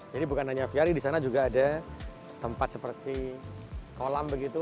jadi bukan hanya aviari di sana juga ada tempat seperti kolam begitu